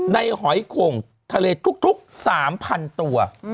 หอยโข่งทะเลทุก๓๐๐๐ตัว